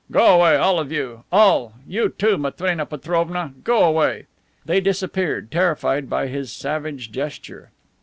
"Go away! All of you, go! All! You, too, Matrena Petrovna. Go away!" They disappeared, terrified by his savage gesture.